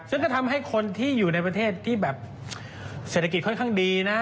ซึ่งก็ทำให้คนที่อยู่ในประเทศที่แบบเศรษฐกิจค่อนข้างดีนะ